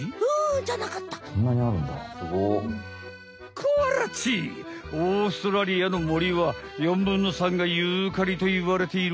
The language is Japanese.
コアラちオーストラリアのもりは４ぶんの３がユーカリといわれている。